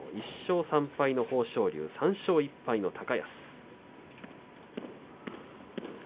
１勝３敗の豊昇龍３勝１敗の高安です。